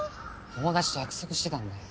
友達と約束してたんだよ。